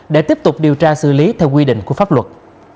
để tiếp tục điều tra xử lý theo quy định của pháp luật